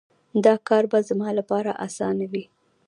دا کار به زما لپاره اسانه وي